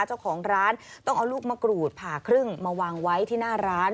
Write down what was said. เจ้าของร้านต้องเอาลูกมะกรูดผ่าครึ่งมาวางไว้ที่หน้าร้าน